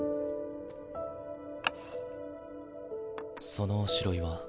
そのおしろいは？